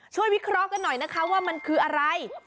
วิเคราะห์กันหน่อยนะคะว่ามันคืออะไร